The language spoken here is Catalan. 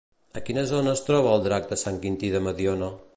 A quina zona es troba el drac de Sant Quintí de Mediona?